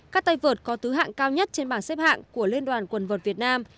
các tay vượt có thứ hạng cao nhất trên bảng xếp hạng của liên đoàn quần vượt việt nam